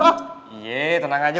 yeay tenang aja